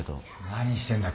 何してんだ。